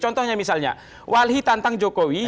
contohnya misalnya walhi tantang jokowi